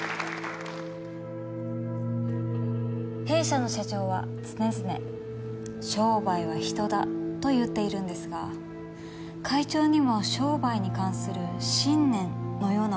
弊社の社長は常々「商売は人だ」と言っているんですが会長にも商売に関する信念のようなものはございますか？